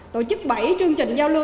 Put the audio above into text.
tổ chức bảy chương trình giao lưu